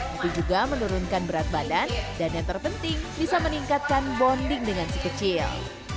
itu juga menurunkan berat badan dan yang terpenting bisa meningkatkan bonding dengan si kecil